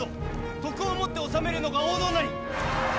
徳をもって治めるのが王道なり！